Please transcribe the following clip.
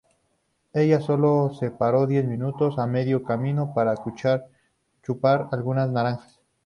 Ella sólo se paró diez minutos a medio camino para chupar algunas naranjas.